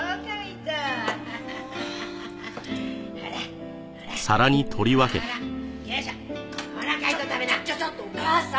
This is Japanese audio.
ちょちょちょっとお母さん。